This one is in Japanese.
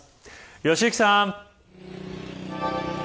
良幸さん。